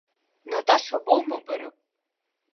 Наташа боума бара?!